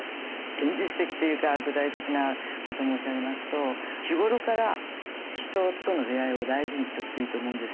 現実的というか具体的なことを申し上げますと日頃から人との出会いを大事にしとくといいと思うんですよ。